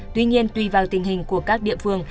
tuy nhiên tùy vào tình hình của các địa phương